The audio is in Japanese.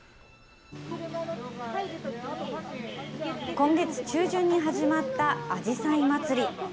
今月中旬に始まったあじさい祭り。